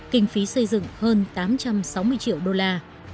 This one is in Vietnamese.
kinh phí xây dựng hơn tám trăm sáu mươi triệu đô la